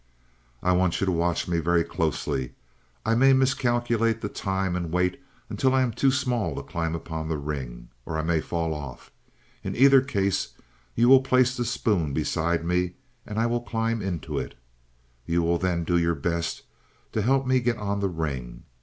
"I want you to watch me very closely. I may miscalculate the time and wait until I am too small to climb upon the ring. Or I may fall off. In either case, you will place that spoon beside me and I will climb into it. You will then do your best to help me get on the ring.